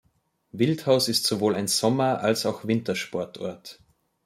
Wildhaus ist sowohl ein Sommer- als auch Wintersportort.